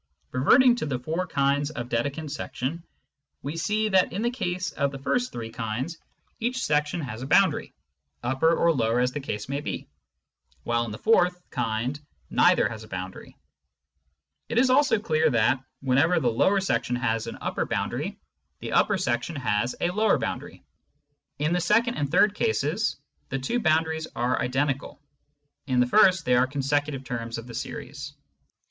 Reverting to the four kinds of Dedekind section, we see that in the case of the first three kinds each section has a boundary (upper or lower as the case may be), while in the fourth kind neither has a boundary. It is also clear that, whenever the lower section has an upper boundary, the upper section has a lower boundary. In the second and third cases, the two boundaries are identical ; in the first, they are consecutive terms of the series.